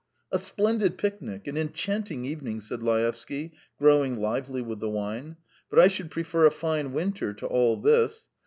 "A splendid picnic, an enchanting evening," said Laevsky, growing lively with the wine. "But I should prefer a fine winter to all this.